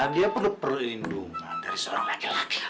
dia penuh perlindungan dari seorang laki laki